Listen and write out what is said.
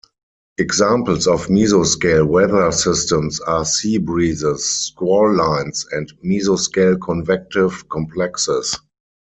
Examples of mesoscale weather systems are sea breezes, squall lines, and mesoscale convective complexes.